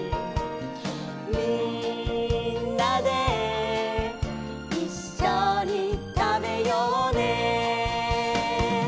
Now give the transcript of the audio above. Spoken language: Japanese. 「みんなでいっしょにたべようね」